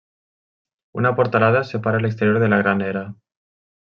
Una portalada separa l'exterior de la gran era.